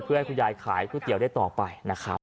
เพื่อให้คุณยายขายก๋วยเตี๋ยวได้ต่อไปนะครับ